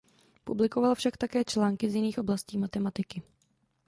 Publikoval však také články z jiných oblastí matematiky.